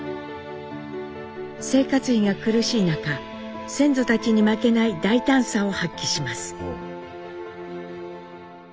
生活費が苦しい中先祖たちに負けない大胆さを発揮します。